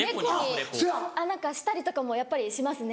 したりとかもやっぱりしますね。